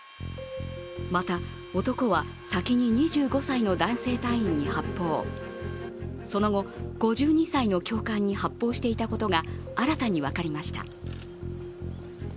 また、男は先に２５歳の男性隊員に発砲、その後、５２歳の教官に発砲していたことが新たに分かりました。